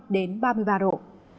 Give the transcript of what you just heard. đến ba mươi ba độ